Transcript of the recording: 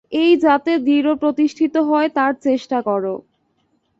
এটা যাতে দৃঢ়প্রতিষ্ঠিত হয়, তার চেষ্টা কর।